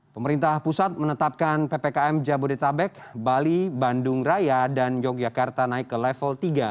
pemerintah pusat menetapkan ppkm jabodetabek bali bandung raya dan yogyakarta naik ke level tiga